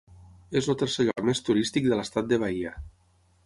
És el tercer lloc més turístic de l'Estat de Bahia.